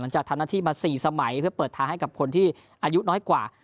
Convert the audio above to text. จะทำหน้าที่มา๔สมัยเพื่อเปิดทางให้กับคนที่อายุน้อยกว่า